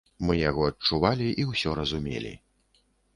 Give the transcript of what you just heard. Мы яго адчувалі і ўсё разумелі.